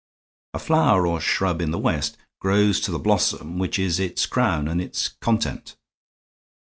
A flower or shrub in the West grows to the blossom which is its crown, and is content.